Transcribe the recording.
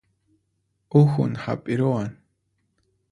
Uhun hap'iruwan